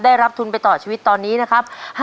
ได้รับทุนไปต่อชีวิตตอนนี้นะครับ